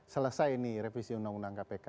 selesai ini revisi undang undang kpk